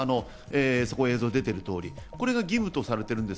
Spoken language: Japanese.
映像に出ているとおり、これが義務とされています。